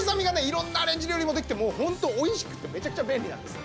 色んなアレンジ料理もできてホント美味しくてめちゃくちゃ便利なんですね。